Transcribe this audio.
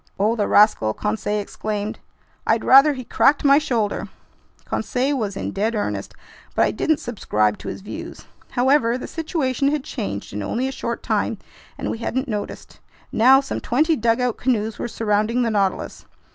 "Oh, the rascal!" Conseil exclaimed. "I'd rather he cracked my shoulder!" Conseil was in dead earnest, but I didn't subscribe to his views. However, the situation had changed in only a short time and we hadn't noticed. Now some twenty dugout canoes were surrounding the Nautilus.